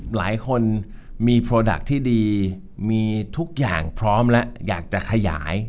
หลายคนมีโปรดักต์ที่ดีมีทุกอย่างพร้อมแล้วอยากจะขยาย